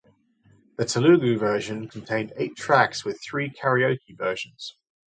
The Telugu version contained eight tracks with three karaoke versions.